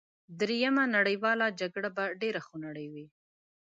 دریمه نړیواله جګړه به ډېره خونړۍ وي